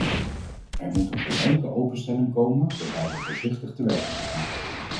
Er moet een geleidelijke openstelling komen waarbij we voorzichtig te werk moeten gaan.